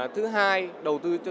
thứ hai đầu tư